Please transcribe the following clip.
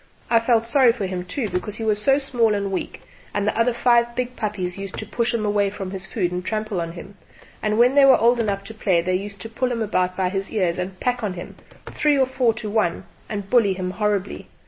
I felt sorry for him, too, because he was small and weak, and the other five big puppies used to push him away from his food and trample on him; and when they were old enough to play they used to pull him about by his ears and pack on to him three or four to one and bully him horribly.